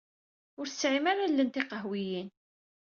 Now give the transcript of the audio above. Ur tesɛim ara allen tiqehwiyin.